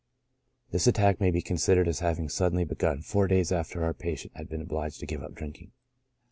— This attack may be considered as having suddenly begun four days after our patient had been obliged to give up drink ing.